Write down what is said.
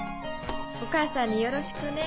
おかあさんによろしくね。